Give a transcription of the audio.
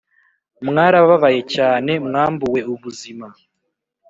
mwarababaye cyane mwambuwe ubuzima